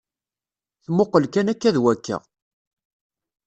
Tmuqel kan akka d wakka.